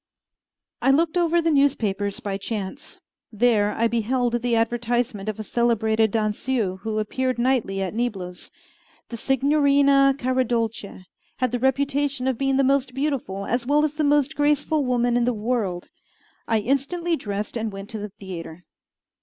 I looked over the newspapers by chance. There I beheld the advertisement of a celebrated danseuse who appeared nightly at Niblo's. The Signorina Caradolce had the reputation of being the most beautiful as well as the most graceful woman in the world. I instantly dressed and went to the theatre.